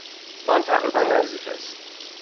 آن تقریبا نزدیک است.